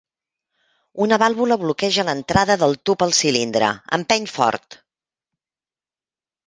Una vàlvula bloqueja l'entrada del tub al cilindre, empeny fort!